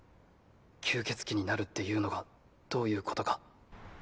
吸血鬼になるっていうのがどういうことか。